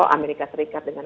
amerika serikat dengan